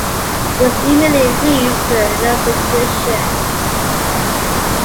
This immediately leads to the Nernst Equation.